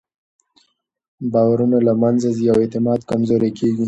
باورونه له منځه ځي او اعتماد کمزوری کېږي.